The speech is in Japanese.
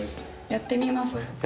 やってみます？